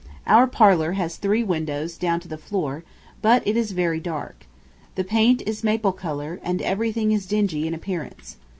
Our parlor has three windows down to the floor, but it is very dark. The paint is maple color, and everything is dingy in appearance.